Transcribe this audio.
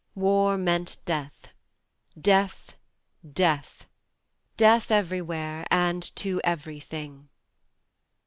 ... War meant Death, Death, Death Death everywhere and to everything.